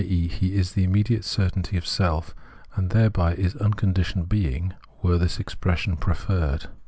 e. lie is the immediate certainty of self, and thereby is uncon ditioned being, were this expression preferred.